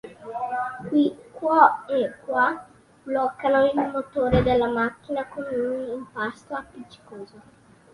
Qui, Quo e Qua bloccano il motore della macchina con un impasto appiccicoso.